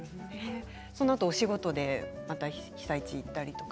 その後、お仕事で被災地に行ったりとか。